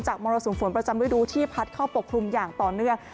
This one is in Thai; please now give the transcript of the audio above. มรสุมฝนประจำฤดูที่พัดเข้าปกคลุมอย่างต่อเนื่อง